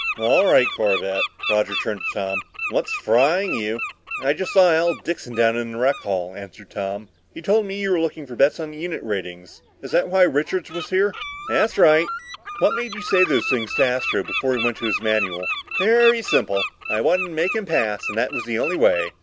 "All right, Corbett," Roger turned to Tom. "What's frying you?" "I just saw Al Dixon down in the rec hall," answered Tom. "He told me you were looking for bets on the unit ratings. Is that why Richards was here?" "That's right," nodded Roger. "What made you say the things you did to Astro before he went for his manual?" "Very simple. I wanted to make him pass and that was the only way."